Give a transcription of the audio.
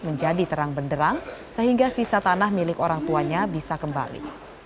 menjadi terang benderang sehingga sisa tanah milik orang tuanya bisa kembali